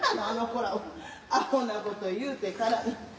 あほなこと言うてからに。